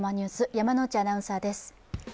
山内アナウンサーです。